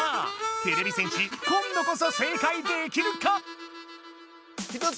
てれび戦士今度こそ正解できるか？